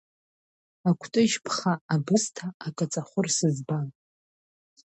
Акәтыжь ԥха, абысҭа, акаҵахәыр сыӡбал…